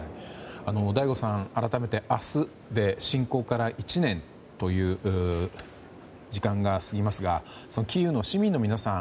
醍醐さん、改めて明日で侵攻から１年という時間が過ぎますがキーウの市民の皆さん